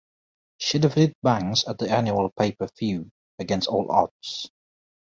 She defeated Banks at the annual pay-per-view, Against All Odds.